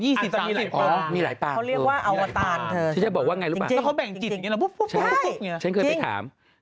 มีหลายปากครับมีหลายปากครับจริงจริงแล้วพุบได้ฉันเคยไปถาม